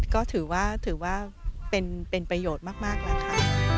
ก็ถือว่าถือว่าเป็นประโยชน์มากแล้วค่ะ